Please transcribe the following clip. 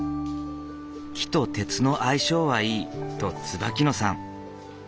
「木と鉄の相性はいい」と椿野さん。